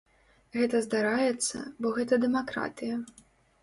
Гэта здараецца, бо гэта дэмакратыя.